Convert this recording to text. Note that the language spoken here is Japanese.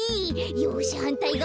よしはんたいがわも。